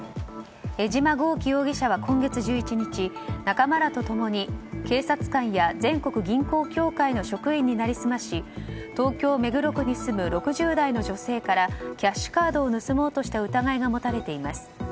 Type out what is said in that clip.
江島強貴容疑者は今月１１日仲間らと共に警察官や全国銀行協会の職員に成り済まし東京・目黒区に住む６０代の女性からキャッシュカードを盗もうとした疑いが持たれています。